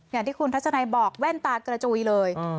อย่างที่คุณทัศนัยบอกแว่นตากระจุยเลย